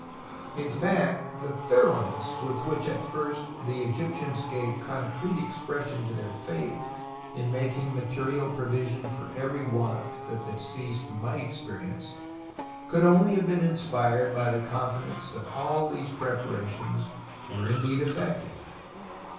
In fact, the thoroughness with which at first the Egyptians gave concrete expression to their faith in making material provision for every want that the deceased might experience could only have been inspired by the con fidence that all these preparations were indeed effective.